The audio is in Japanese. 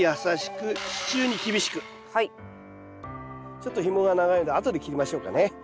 ちょっとひもが長いのであとで切りましょうかね。